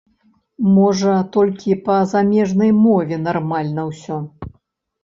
Можа, толькі па замежнай мове нармальна ўсё.